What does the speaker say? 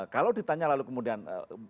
kalau ditanya lalu kemudian